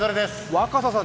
若狭さん